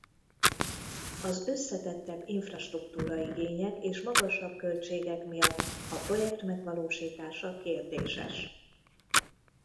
Az összetettebb infrastruktúra-igények és magasabb költségek miatt a projekt megvalósítása kérdéses.